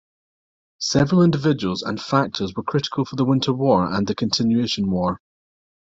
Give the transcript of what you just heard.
Several individuals and factors were critical for the Winter War and the Continuation War.